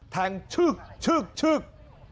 ทางชึกชึกชึก